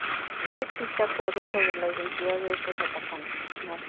No existe acuerdo sobre la identidad de estos atacantes.